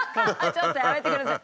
ちょっとやめてください。